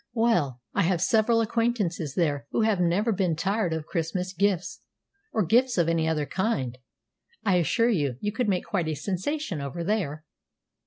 "Well, I have several acquaintances there who have never been tired of Christmas gifts, or gifts of any other kind. I assure you, you could make quite a sensation over there."